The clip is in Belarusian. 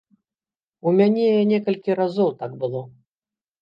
У мяне некалькі разоў так было.